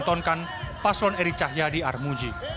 dipertontonkan pasron erick cahyadi armuji